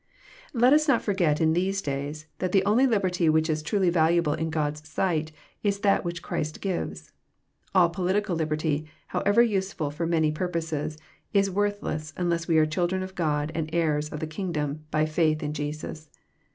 » Let us not forget in these days that the only liberty which is truly valuable in God's sight is that which Christ gives. All political liberty, however useflil for many purposes, is worth less, unless we are children of God, and heirs of the kingdom, by faith in Jesus.